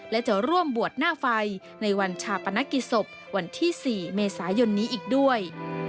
และจะร่วมบวชหน้าไฟในวันชาปนกิจศพวันที่๔เมษายนนี้อีกด้วย